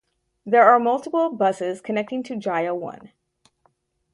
There are multiple buses connecting to Jaya One.